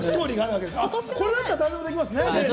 これだったら、誰でもできますね。